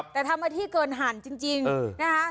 แต่ทำมาที่เกินหั่นจริงนะคะ